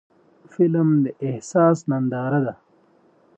فلم د احساس ننداره ده